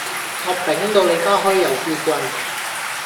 我抦到你花開又富貴